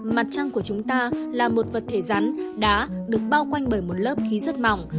mặt trăng của chúng ta là một vật thể rắn đá được bao quanh bởi một lớp khí rất mỏng